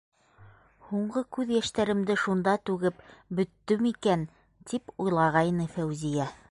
...һуңғы күҙ йәштәремде шунда түгеп бөттөм икән, тип уйлағайны Фәүзиә.